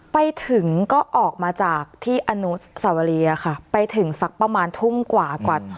ไปถึงก็ออกมาจากที่อนุสวรีอะค่ะไปถึงสักประมาณทุ่มกว่ากว่า